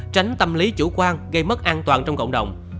tránh tâm lý chủ quan gây mất an toàn trong cộng đồng